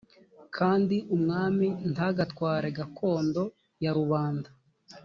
kandi umwami ntagatware gakondo ya rubanda